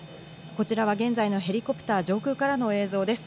こちらは現在のヘリコプター上空からの映像です。